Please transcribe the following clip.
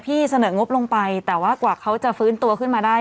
เสนองบลงไปแต่ว่ากว่าเขาจะฟื้นตัวขึ้นมาได้